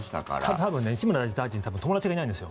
多分、西村大臣は友達がいないんですよ。